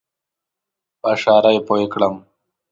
په اشاره یې پوی کړم.